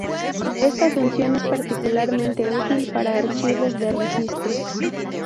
Esta función es particularmente útil para archivos de registro.